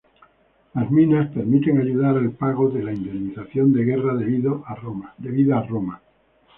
Las minas permiten ayudar al pago de la indemnización de guerra debida a Roma.